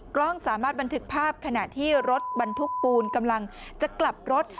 กล้องสามารถบันทึกภาพขณะที่รถบรรทุกปูนกำลังจะกลับรถ